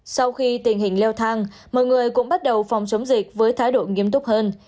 sau khi tình hình leo thang mọi người cũng bắt đầu phòng chống dịch với thái độ nghiêm túc hơn